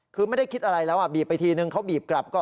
คือไม่ได้คิดอะไรแล้วบีบไปทีนึงเขาบีบกลับ